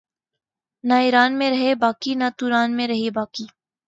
نہ ایراں میں رہے باقی نہ توراں میں رہے باقی